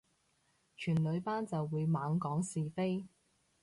全女班就會猛講是非